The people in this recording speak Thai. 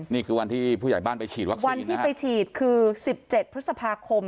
นี่คือวันที่ผู้ใหญ่บ้านไปฉีดวัคซีนวันที่ไปฉีดคือ๑๗พฤษภาคม